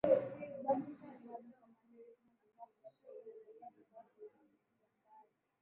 kwa sababu timu bado kama nne sina nafasi ya kuweza kushika nafasi hii ambayo